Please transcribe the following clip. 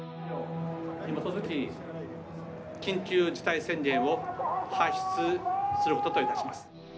緊急事態宣言を発出することといたします。